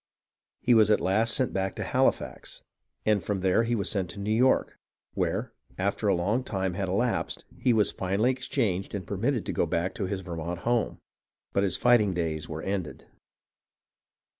He was at last sent back to Halifax, and from there was sent to New York, where, after a long time had elapsed, he was finally exchanged and permitted to go back to his Vermont home ; but his fighting days were ended.